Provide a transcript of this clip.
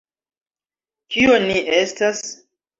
Kio ni estas?